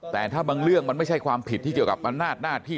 แต่ถ้าบางเรื่องมันไม่ใช่ความผิดที่เกี่ยวกับอำนาจหน้าที่